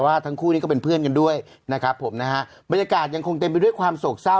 ว่าทั้งคู่นี้ก็เป็นเพื่อนกันด้วยนะครับผมนะฮะบรรยากาศยังคงเต็มไปด้วยความโศกเศร้า